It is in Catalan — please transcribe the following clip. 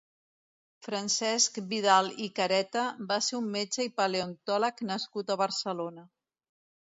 Francesc Vidal i Careta va ser un metge i paleontòleg nascut a Barcelona.